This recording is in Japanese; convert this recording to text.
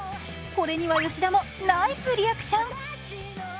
これには吉田もナイスリアクション。